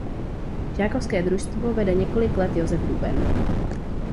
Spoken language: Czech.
Žákovské družstvo vede několik let Josef Duben.